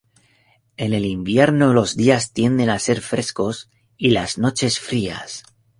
En el invierno los días tienden a ser frescos y las noches frías.